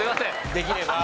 できれば。